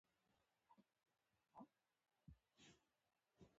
خوست یو میلمه پاله ولایت ده